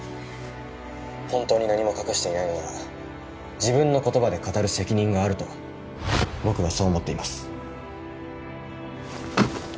「本当に何も隠していないのなら自分の言葉で語る責任があると僕はそう思っています」